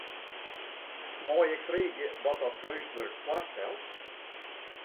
Mei ik freegje wat dat keunstwurk foarstelt?